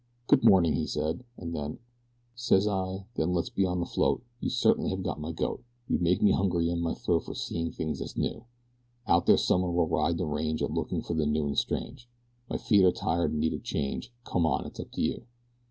"Good morning," he said, and then: Says I, "Then let's be on the float. You certainly have got my goat; You make me hungry in my throat for seeing things that's new. Out there somewhere we'll ride the range a looking for the new and strange; My feet are tired and need a change. Come on! It's up to you!"